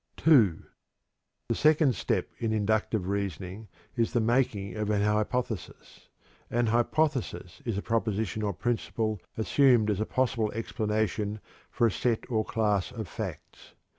II. The second step in inductive reasoning is the making of an hypothesis. An hypothesis is a proposition or principle assumed as a possible explanation for a set or class of facts.